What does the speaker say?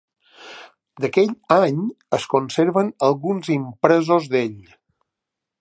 D'aquell any es conserven alguns impresos d'ell.